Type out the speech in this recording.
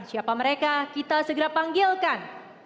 siapa mereka kita segera panggilkan